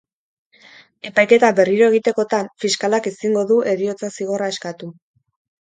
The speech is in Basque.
Epaiketa berriro egitekotan, fiskalak ezingo du heriotza-zigorra eskatu.